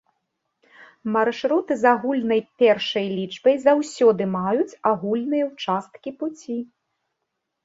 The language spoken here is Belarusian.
Маршруты з агульнай першай лічбай заўсёды маюць агульныя ўчасткі пуці.